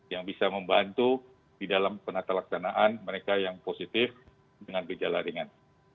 yang bisa membantu di dalam penatalaksanaan mereka yang positif dengan kerja laringan